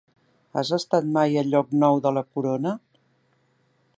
Has estat mai a Llocnou de la Corona?